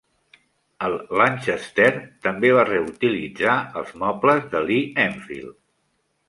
El Lanchester també va reutilitzar els mobles de Lee-Enfield.